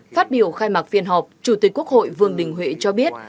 phát biểu khai mạc phiên họp chủ tịch quốc hội vương đình huệ cho biết